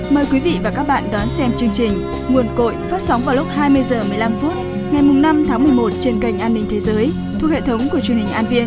mời quý vị và các bạn đón xem chương trình nguồn cội phát sóng vào lúc hai mươi h một mươi năm phút ngày năm tháng một mươi một trên kênh an ninh thế giới thuộc hệ thống của chương trình an viên